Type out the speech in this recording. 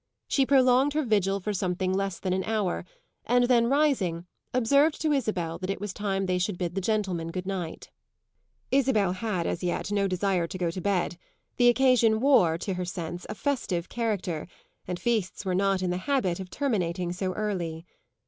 She prolonged her vigil for something less than an hour, and then, rising, observed to Isabel that it was time they should bid the gentlemen good night. Isabel had as yet no desire to go to bed; the occasion wore, to her sense, a festive character, and feasts were not in the habit of terminating so early.